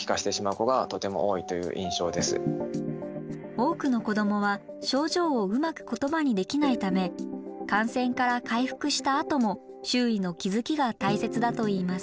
多くの子どもは症状をうまく言葉にできないため感染から回復したあとも周囲の気づきが大切だといいます。